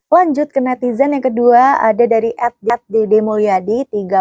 lanjut ke netizen yang kedua ada dari ed yat dede mulyadi tiga puluh ribu enam ratus enam puluh sembilan